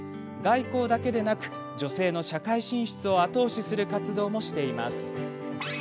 外交だけでなく女性の社会進出を後押しする活動もしています。